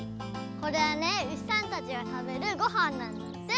これはねうしさんたちがたべるごはんなんだって。